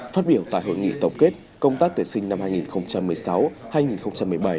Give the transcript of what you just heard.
phát biểu tại hội nghị tổng kết công tác tuyển sinh năm hai nghìn một mươi sáu hai nghìn một mươi bảy